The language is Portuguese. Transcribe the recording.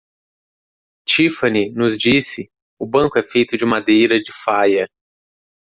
Tiffany nos disse, o banco é feito de madeira de faia.